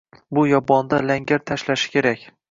Bu yobonda langar tashlashi kerak.